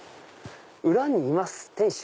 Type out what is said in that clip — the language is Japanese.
「うらにいます店主」。